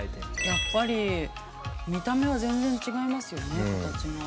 ◆やっぱり、見た目は全然違いますよね、形が。